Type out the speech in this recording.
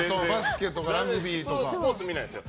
スポーツ見ないです。